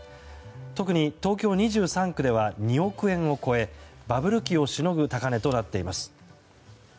特に東京２３区では２億円を超えバブル期をしのぐ高値となっています。